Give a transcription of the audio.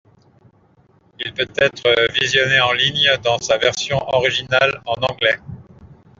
Il peut être visionné en ligne dans sa version originale en anglais.